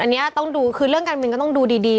อันนี้ต้องดูคือเรื่องการบินก็ต้องดูดี